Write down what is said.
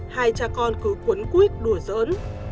hai cha con cứ quấn quýt đùa giỡn